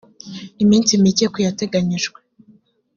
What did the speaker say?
iminsi mike ku yateganyijwe